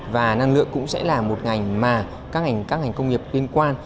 và năng lượng cũng sẽ là một ngành mà các ngành công nghiệp liên quan